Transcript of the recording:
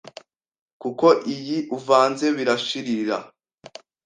kuko iyi uvanze birashirira,